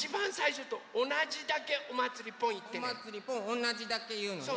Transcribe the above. おなじだけいうのね。